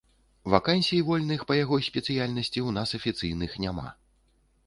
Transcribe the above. Вакансій вольных па яго спецыяльнасці ў нас афіцыйных няма.